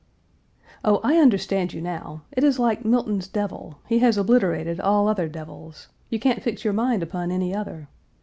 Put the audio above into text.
"Oh, I understand you now! It is like Milton's devil he has obliterated all other devils. You can't fix your mind upon any other.